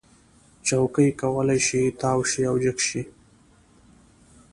چوکۍ کولی شي تاو شي او جګ شي.